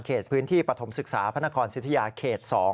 พื้นที่ปฐมศึกษาพระนครสิทธิยาเขต๒